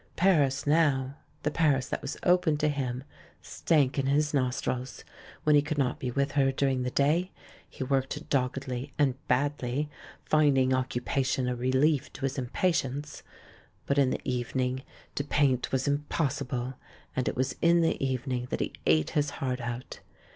Paris now — the Paris that was open to him — stank in his nostrils. When he could not be with her during the day, he worked doggedly, and badly, finding occupation a relief to his impa tience ; but in the evening, to paint was impossible — and it was in the evening that he ate his heart out.